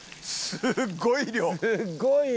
すごいよ。